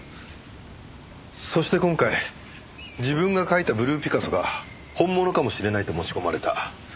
そして今回自分が描いたブルーピカソが本物かもしれないと持ち込まれた。